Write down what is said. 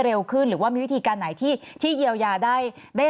เรียกรู้สึกว่าตอนนี้กระทรวงการคลังคุยกันอยู่ที่นี้